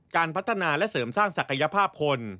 การพัฒนาและเสริมสร้างศักยภาพคน